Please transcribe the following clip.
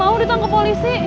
gak mau ditangkap polisi